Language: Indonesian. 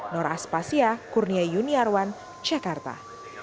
nor aspasya kurnia yuniarwan jakarta